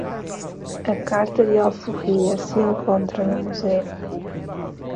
A carta de alforria se encontra no Museu